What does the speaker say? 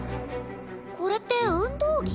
これって運動着？